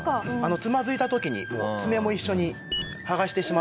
つまずいた時に爪も一緒にはがしてしまう。